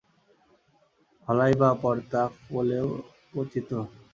হলাইবা পর-তা হলেও কচি তো?